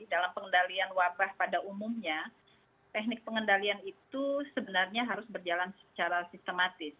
dalam pengendalian wabah pada umumnya teknik pengendalian itu sebenarnya harus berjalan secara sistematis